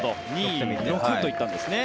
２、６と行ったんですね。